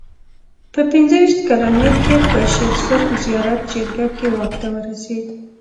په پنځه ویشت کلنۍ کې په شېر سرخ زیارت جرګه کې واک ته ورسېد.